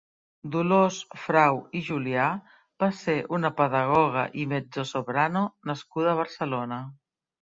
Dolors Frau i Julià va ser una pedagoga i mezzosoprano nascuda a Barcelona.